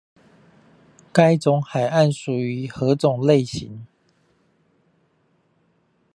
該種海岸屬於何種類型？